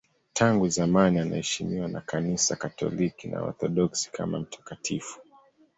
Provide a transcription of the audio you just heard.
Tangu zamani anaheshimiwa na Kanisa Katoliki na Waorthodoksi kama mtakatifu.